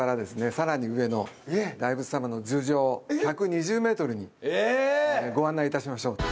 さらに上の大仏様の頭上１２０メートルにご案内致しましょう。